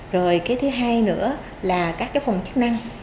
rồi cái thứ hai nữa là các cái phòng chức năng